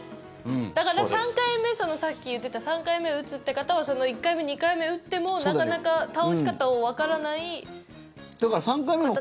だから、さっき言っていた３回目を打つって方は１回目、２回目を打ってもなかなか倒し方をわからない方たちが。